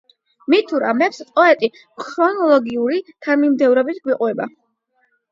მითურ ამბებს პოეტი ქრონოლოგიური თანმიმდევრობით გვიყვება.